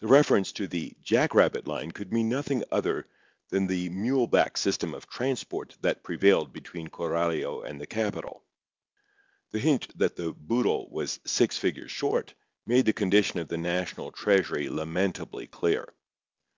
The reference to the "jack rabbit line" could mean nothing else than the mule back system of transport that prevailed between Coralio and the capital. The hint that the "boodle" was "six figures short" made the condition of the national treasury lamentably clear.